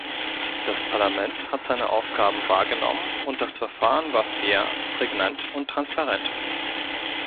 Das Parlament hat seine Aufgaben wahrgenommen und das Verfahren war fair, prägnant und transparent.